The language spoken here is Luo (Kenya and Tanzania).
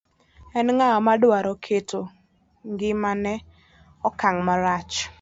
En ng'awa madwaro keto ng'ima ne okang' marach.